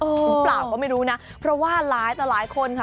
หรือเปล่าก็ไม่รู้นะเพราะว่าหลายต่อหลายคนค่ะ